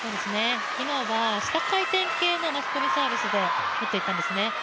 昨日は下回転系の巻き込みサービスを打っていたんですね。